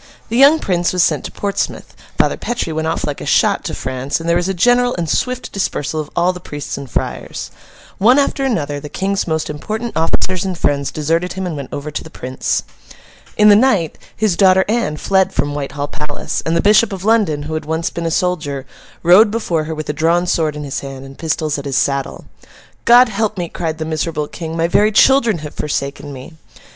The young Prince was sent to Portsmouth, Father Petre went off like a shot to France, and there was a general and swift dispersal of all the priests and friars. One after another, the King's most important officers and friends deserted him and went over to the Prince. In the night, his daughter Anne fled from Whitehall Palace; and the Bishop of London, who had once been a soldier, rode before her with a drawn sword in his hand, and pistols at his saddle. 'God help me,' cried the miserable King: 'my very children have forsaken me!